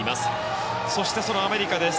そしてアメリカです。